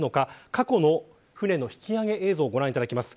過去の船の引き揚げ映像をご覧いただきます。